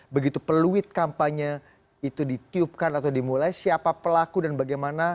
begitu peluit kampanye itu ditiupkan atau dimulai siapa pelaku dan bagaimana